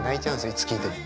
いつ聴いても。